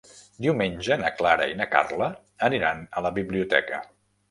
Diumenge na Clara i na Carla aniran a la biblioteca.